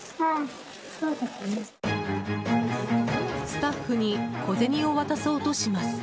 スタッフに小銭を渡そうとします。